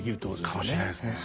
かもしれないですね。